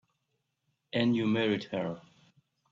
And you married her.